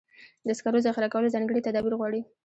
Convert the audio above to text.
د سکرو ذخیره کول ځانګړي تدابیر غواړي.